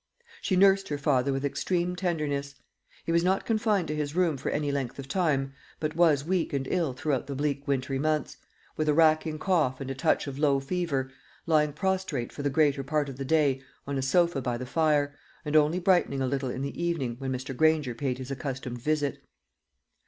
She nursed her father with extreme tenderness. He was not confined to his room for any length of time, but was weak and ill throughout the bleak wintry months, with a racking cough and a touch of low fever, lying prostrate for the greater part of the day on a sofa by the fire, and only brightening a little in the evening when Mr. Granger paid his accustomed visit.